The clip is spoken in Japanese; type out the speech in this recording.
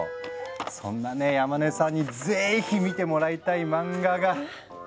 そんなね山根さんにぜひ見てもらいたい漫画が。え？